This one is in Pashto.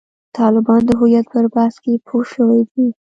طالبان د هویت پر بحث کې پوه شوي دي.